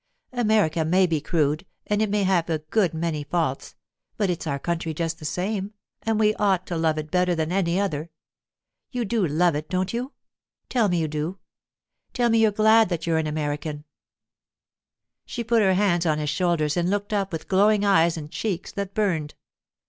America may be crude and it may have a good many faults, but it's our country just the same, and we ought to love it better than any other. You do love it, don't you? Tell me you do. Tell me you're glad that you're an American.' She put her hands on his shoulders and looked up with glowing eyes and cheeks that burned.